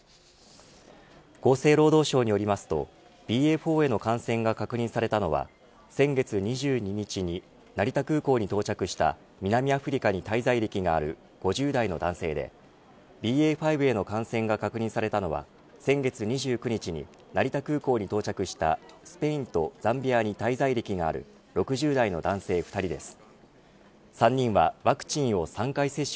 厚生労働省によりますとＢＡ．４への感染が確認されたのは先月２２日に成田空港に到着した南アフリカに滞在歴がある５０代の男性でＢＡ．５への感染が確認されたのは先月２９日に成田空港に到着したスペインとザンビアに滞在歴がある６０代の男性２人です。